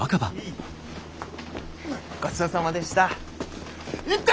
ごちそうさまでした。